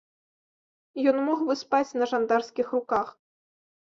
Ён мог бы спаць на жандарскіх руках.